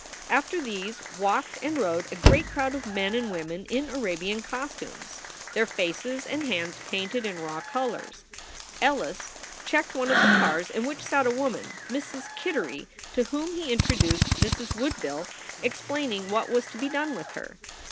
After these walked and rode a great crowd of men and women in Arabian costumes, their faces and hands painted in raw colors. Ellis checked one of the cars in which sat a woman, Mrs. Kittery, to whom he introduced Mrs. Wood ville, explaining what was to be done with her.